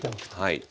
はい。